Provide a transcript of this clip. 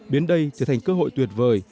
đến đây trở thành cơ hội tuyệt vời